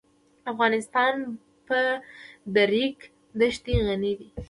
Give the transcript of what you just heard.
افغانستان په د ریګ دښتې غني دی.